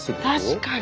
確かに。